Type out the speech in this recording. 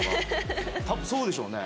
多分そうでしょうね。